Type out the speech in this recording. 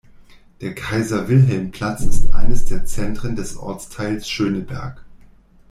Der Kaiser-Wilhelm-Platz ist eines der Zentren des Ortsteils Schöneberg.